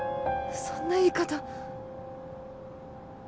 そんな言い方